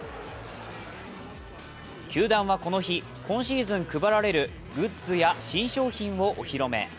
球団はこの日、今シーズン配られるグッズや新商品をお披露目。